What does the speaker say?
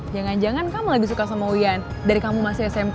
jangan jangan kamu lagi suka sama uyan dari kamu masih smp